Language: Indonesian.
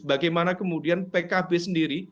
bagaimana kemudian pkb sendiri